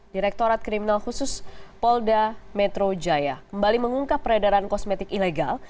direktorat kriminal khusus polda metro jaya kembali mengungkap peredaran kosmetik ilegal